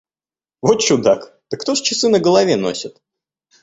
Во чудак! Да кто ж часы на голове носит?